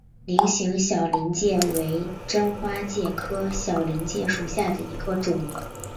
菱形小林介为真花介科小林介属下的一个种。